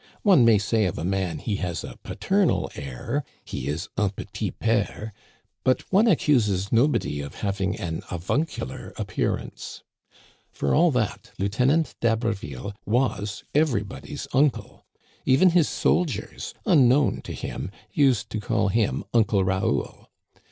One may say of a man, he has a pa ternal air, he is un petit père ; but one accuses nobody of having an avuncular appearance. For all that. Lieuten ant d'Haberville was everybody's uncle. Even his soldiers, unknown to him, used to call him Uncle Raoul.